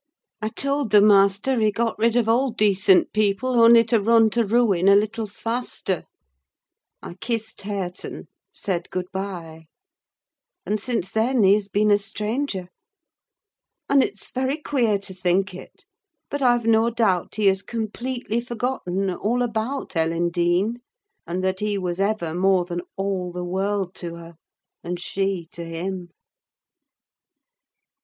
I told the master he got rid of all decent people only to run to ruin a little faster; I kissed Hareton, said good by; and since then he has been a stranger: and it's very queer to think it, but I've no doubt he has completely forgotten all about Ellen Dean, and that he was ever more than all the world to her and she to him!